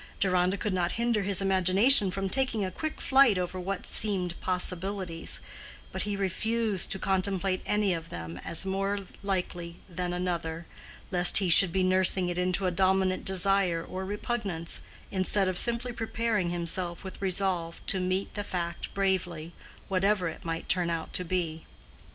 Deronda could not hinder his imagination from taking a quick flight over what seemed possibilities, but he refused to contemplate any of them as more likely than another, lest he should be nursing it into a dominant desire or repugnance, instead of simply preparing himself with resolve to meet the fact bravely, whatever it might turn out to be.